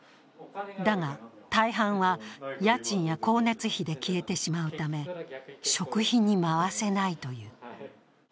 だが、大半は家賃や光熱費で消えてしまうため食費に回せないという。